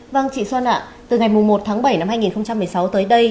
vâng chị son ạ từ ngày một tháng bảy năm hai nghìn một mươi sáu tới đây